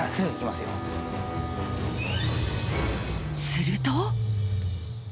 すると。